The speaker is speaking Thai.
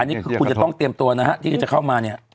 อันนี้คือคุณจะต้องเตรียมตัวนะฮะที่จะเข้ามาเนี่ย